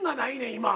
今。